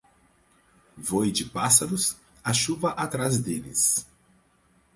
Voe de pássaros, a chuva atrás deles.